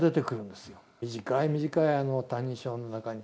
短い短いあの「歎異抄」の中に。